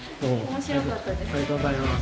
面白かったです。